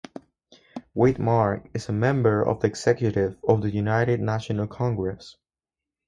Wade Mark is a member of the executive of the United National Congress.